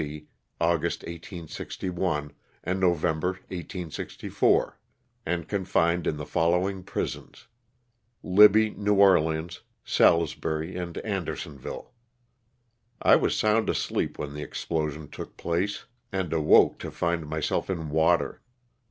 August 1861, and November 1864, and confined in the following prisons: Libby, New Orleans, Salis bury and Andersonville. I was sound asleep when the explosion took place, and awoke to find myself in water.